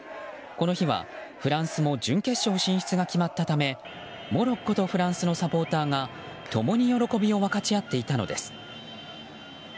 この日はフランスも準決勝進出が決まったためモロッコとフランスのサポーターが共に喜びを分かち合っていたのです。